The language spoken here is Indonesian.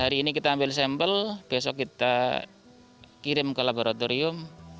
hari ini kita ambil sampel besok kita kirim ke laboratorium